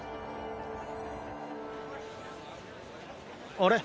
あれ？